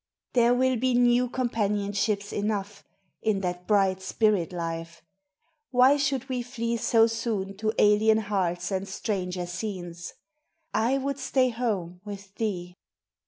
There will be new companionships enough In that bright spirit life. Why should we flee So soon to alien hearts and stranger scenes? I would stay home with thee.